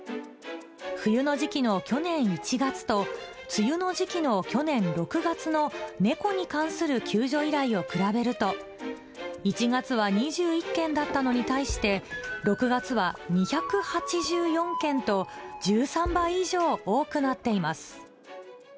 冬の時期の去年１月と、梅雨の時期の去年６月の猫に関する救助依頼を比べると、１月は２１件だったのに対して、６月は２８４件と、１３倍以上多くなっています。